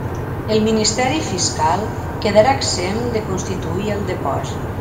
El ministeri fiscal quedarà exempt de constituir el depòsit.